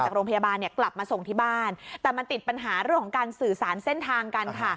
โรงพยาบาลเนี่ยกลับมาส่งที่บ้านแต่มันติดปัญหาเรื่องของการสื่อสารเส้นทางกันค่ะ